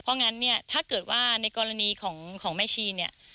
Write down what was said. เพราะงั้นเนี่ยถ้าเกิดว่าในกรณีของแม่ชีเนี่ย